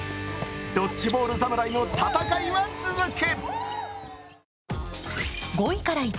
ドッジボール侍の戦いは続く。